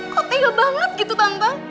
kok tinggal banget gitu tante